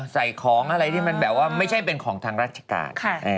ใส่ของอะไรที่ไม่ใช่เป็นของทางราชการ